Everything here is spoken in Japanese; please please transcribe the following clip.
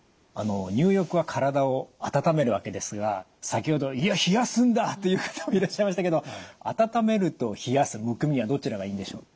入浴は体を温めるわけですが先ほど「いや冷やすんだ！」という方もいらっしゃいましたけど温めると冷やすむくみはどちらがいいんでしょう？